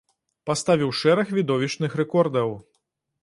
Паставіў шэраг відовішчных рэкордаў.